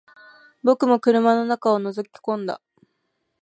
僕も車の中を覗き込んだ